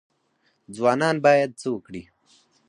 ځوانان باید څه وکړي؟